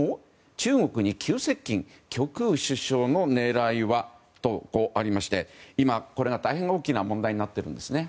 中国に急接近極右首相の狙いはとありまして今、これが大変大きな問題になっています。